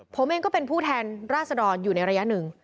ผมเองก็เป็นผู้แทนราษดรอยู่ในระยะหนึ่ง